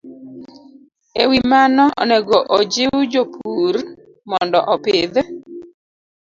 E wi mano, onego ojiw jopur mondo opidh